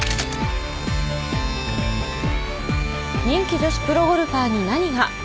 人気女子プロゴルファーに何が？